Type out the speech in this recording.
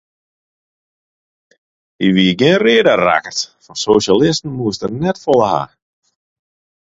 Hy wie gjin reade rakkert, fan sosjalisten moast er net folle hawwe.